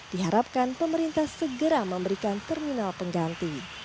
diharapkan pemerintah segera memberikan terminal pengganti